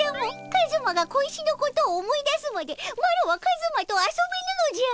カズマが小石のことを思い出すまでマロはカズマと遊べぬのじゃ！